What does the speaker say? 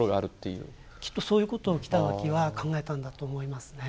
きっとそういうことを北脇は考えたんだと思いますね。